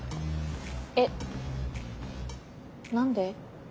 えっ何で？